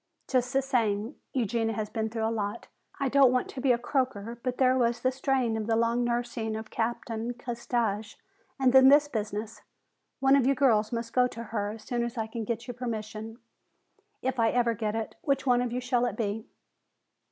Just the same, Eugenia has been through a lot. I don't want to be a croaker, but there was the strain of the long nursing of Captain Castaigne and then this business. One of you girls must go to her as soon as I can get you permission, if I ever can get it. Which one of you shall it be?"